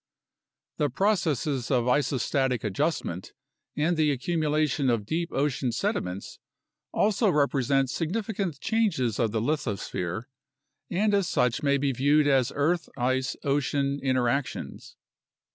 The processes of isostatic adjustment and the accumulation of deep ocean sediments also represent significant changes of the lithosphere, and as such may be viewed as earth ice ocean interactions.